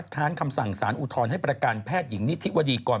ค้านคำสั่งสารอุทธรณ์ให้ประกันแพทย์หญิงนิธิวดีก่อน